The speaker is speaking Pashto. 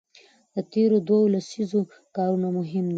د تېرو دوو لسیزو کارونه مهم دي.